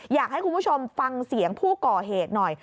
อยากให้คุณผู้ชมฟังเสียงผู้ก่อเหตุหน่อย